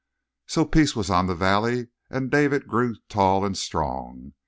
"So peace was on the valley, and David grew tall and strong.